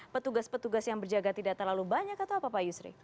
petugas petugas yang berjaga tidak terlalu banyak atau apa pak yusri